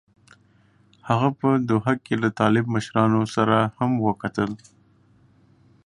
هغه په دوحه کې له طالب مشرانو سره هم وکتل.